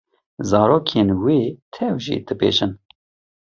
Zarokên wê tev jî dibêjin.